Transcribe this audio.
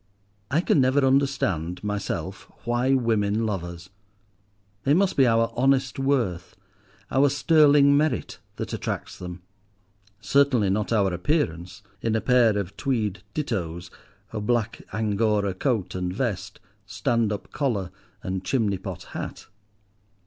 I can never understand, myself, why women love us. It must be our honest worth, our sterling merit, that attracts them—certainly not our appearance, in a pair of tweed "dittos," black angora coat and vest, stand up collar, and chimney pot hat!